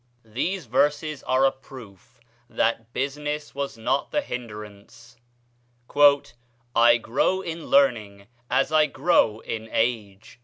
These verses are a proof that business was not the hinderance: "'I grow in learning as I grow in age.'